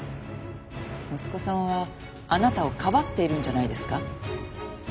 息子さんはあなたをかばっているんじゃないですか？